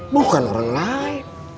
bukan orang lain